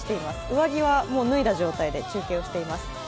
上着は脱いだ状態で中継しています。